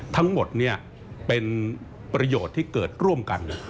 ทั้งหมดเนี่ยเป็นประโยชน์ที่เกิดร่วมกัน